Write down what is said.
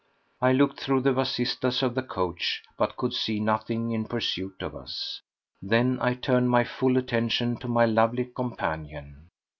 I looked through the vasistas of the coach, but could see nothing in pursuit of us. Then I turned my full attention to my lovely companion.